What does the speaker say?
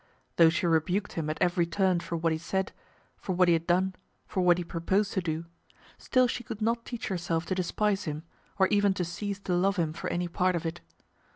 Though she rebuked him at every turn for what he said, for what he had done, for what he proposed to do, still she could not teach herself to despise him, or even to cease to love him for any part of it.